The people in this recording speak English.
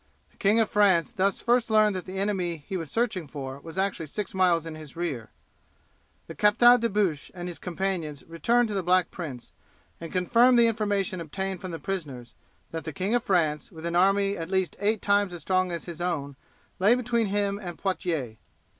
The King of France thus first learned that the enemy he was searching for was actually six miles in his rear. The Captal de Buch and his companions returned to the Black Prince, and confirmed the information obtained from the prisoners, that the King of France, with an army at least eight times as strong as his own, lay between him and Poitiers.